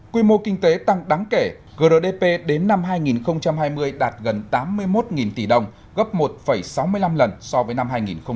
quy mô kinh tế tăng đáng kể grdp đến năm hai nghìn hai mươi đạt gần tám mươi một tỷ đồng gấp một sáu mươi năm lần so với năm hai nghìn một mươi năm